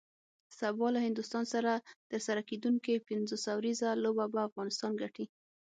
سبا له هندوستان سره ترسره کیدونکی پنځوس اوریزه لوبه به افغانستان ګټي